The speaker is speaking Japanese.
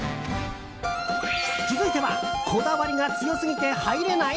続いては、こだわりが強すぎて入れない？